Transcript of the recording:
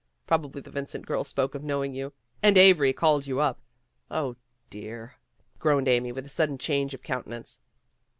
Probably the Vincent girl spoke of knowing you, and Avery called you up. 0, dear!" groaned Amy with a sudden change of counte nance.